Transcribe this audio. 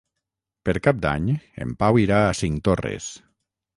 Per Cap d'Any en Pau irà a Cinctorres.